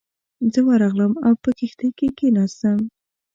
زه ورغلم او په کښتۍ کې کېناستم.